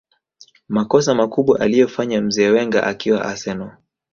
makossa makubwa aliyofanya mzee Wenger akiwa arsenal